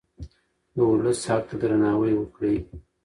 د ولس حق ته درناوی وکړئ.